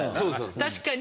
確かに。